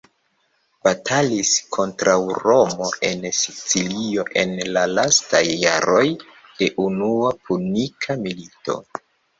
Batalis kontraŭ Romo en Sicilio en la lastaj jaroj de Unua Punika Milito.